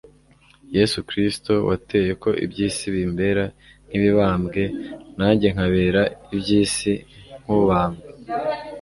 Yesu Kristo wateye ko iby'isi bimbera nk'ibibambwe, nanjye nkabera iby'isi nk'ubambwe."